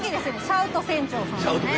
シャウト船長さんですね」